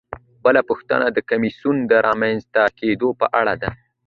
بله پوښتنه د کمیسیون د رامنځته کیدو په اړه ده.